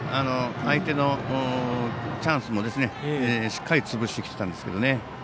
相手のチャンスもしっかり潰してきたんですけど。